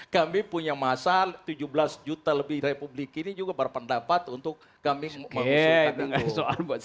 kami punya masal tujuh belas juta lebih republik ini juga berpendapat untuk kami mengusulkan